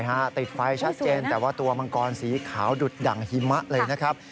ติดไฟชัดเจนแต่ว่าตัวมังกรสีขาวดุดดั่งหิมะเลยนะครับ